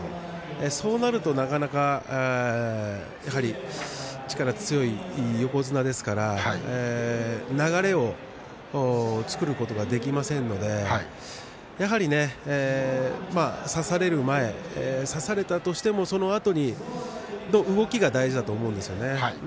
そうなると、なかなか力が強い横綱ですから流れを作ることができませんので差される前、差されたとしてもそのあとに動きが大事だと思うんです。